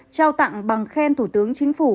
trao tặng bằng khen thủ tướng chính phủ